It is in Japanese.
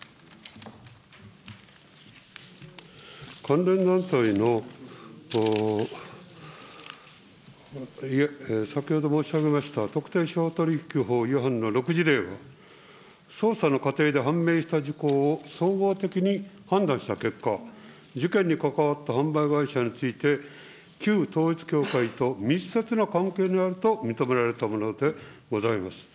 関連団体の、先ほど申し上げました特定商取引法違反の６事例は、捜査の過程で判明した事項を、総合的に判断した結果、事件に関わった販売会社について、旧統一教会と密接な関係にあると認められたものでございます。